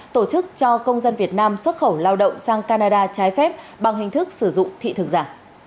tổ chức cho công dân việt nam xuất khẩu lao động sang canada trái phép bằng hình thức sử dụng thị thực giả